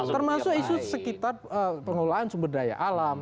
termasuk isu sekitar pengelolaan sumber daya alam